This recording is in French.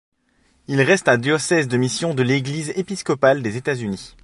Il reste un diocèse de mission de l'Église épiscopale des États-Unis.